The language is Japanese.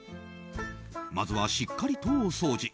まずは、しっかりとお掃除。